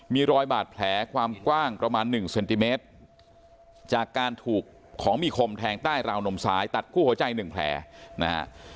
มีรอยบาดแผลความกว้างประมาณ๑เซนติเมตรจากการถูกของมีคมแทงใต้ราวนมซ้ายตัดคู่หัวใจ๑แผลนะฮะ